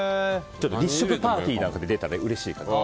立食パーティーなんかで出たらうれしい。